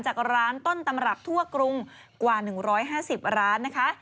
จากร้านต้นตำรับทั่วกรุงกว่า๑๕๐ร้านนะคะ